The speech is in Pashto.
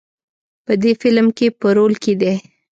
په دې فیلم کې په رول کې دی.